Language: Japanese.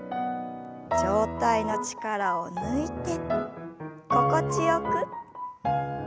上体の力を抜いて心地よく。